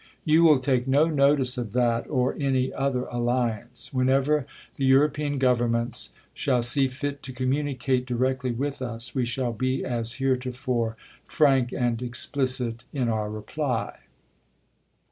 You will take no notice of that or any other alliance. Whenever the European governments shall see fit to communicate di rectly with us we shall be as heretofore frank and explicit in our reply.